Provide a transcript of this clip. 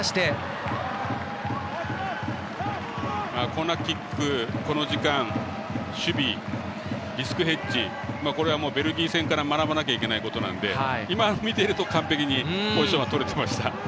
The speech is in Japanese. コーナーキック、この時間守備、リスクヘッジこれはベルギー戦から学ばなければいけないことなので今、見ていると完璧にポジションはとれてました。